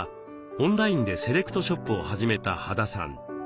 オンラインでセレクトショップを始めた羽田さん。